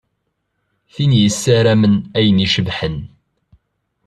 Tin yessaramen ayen icebḥen.